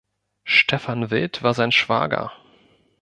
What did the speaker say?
Stephan Wild war sein Schwager.